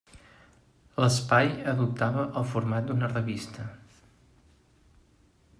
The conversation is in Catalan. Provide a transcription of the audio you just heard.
L'espai adoptava el format d'una revista.